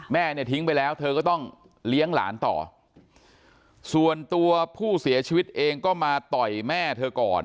แม่เนี่ยทิ้งไปแล้วเธอก็ต้องเลี้ยงหลานต่อส่วนตัวผู้เสียชีวิตเองก็มาต่อยแม่เธอก่อน